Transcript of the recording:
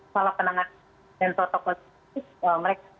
salah penanganan dan protokol itu mereka